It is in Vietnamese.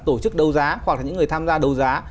tổ chức đấu giá hoặc là những người tham gia đấu giá